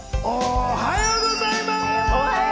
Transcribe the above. おはようございます！